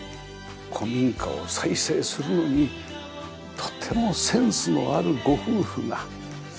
古民家を再生するのにとてもセンスのあるご夫婦が。